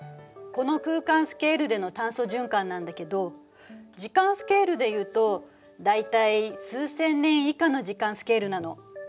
この空間スケールでの炭素循環なんだけど時間スケールで言うと大体数千年以下の時間スケールなの。